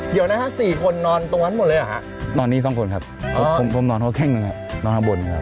เดี๋ยวนะครับ๔คนนอนตรงนั้นหมดเลยหรือ